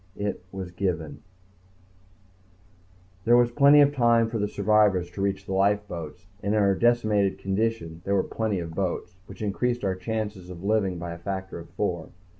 It was ... given ... There was plenty of time for the survivors to reach the lifeboats, and in our decimated condition there were plenty of boats which increased our chances of living by a factor of four